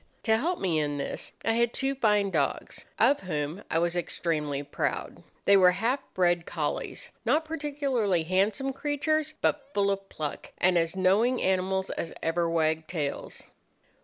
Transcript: To help me in this I had two fine dogs, of whom I was extremely proud. They were half bred collies, not particularly handsome creatures, but full of pluck, and as knowing animals as ever wagged tails.